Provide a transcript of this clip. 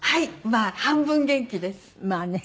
まあ半分元気です。